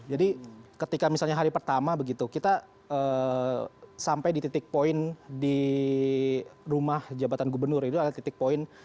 jadi ketika misalnya hari pertama begitu kita sampai di titik poin di rumah jabatan gubernur itu adalah titik poin